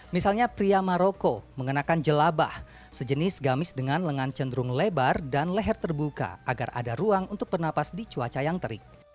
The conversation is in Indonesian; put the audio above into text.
misalnya pria maroko mengenakan jelabah sejenis gamis dengan lengan cenderung lebar dan leher terbuka agar ada ruang untuk bernapas di cuaca yang terik